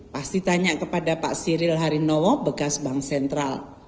pasti tanya kepada pak siril harinowo bekas bank sentral